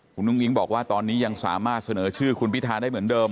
คุณอุ้งอิ๊งบอกว่าตอนนี้ยังสามารถเสนอชื่อคุณพิทาได้เหมือนเดิม